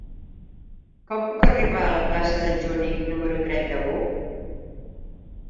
Com puc arribar a la plaça d'en Joanic número trenta-u?